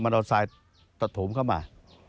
มันเอาไซต์ต้นถูกเข้ามา